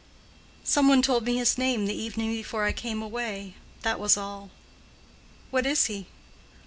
"No. Some one told me his name the evening before I came away. That was all. What is he?"